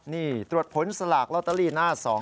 นี่ตรวจผลสลากลอตเตอรี่หน้า๒